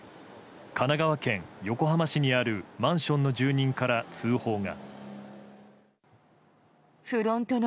神奈川県横浜市にあるマンションの住人から通報が。